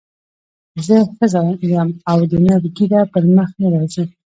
زه ښځه یم او د نر ږیره پر مخ نه راځي.